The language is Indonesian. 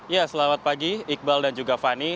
ya selamat pagi iqbal dan juga fani